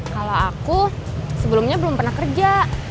kalau aku sebelumnya belum pernah kerja